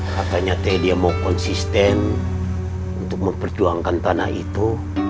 katanya dia mau konsisten untuk memperjuangkan tanah itu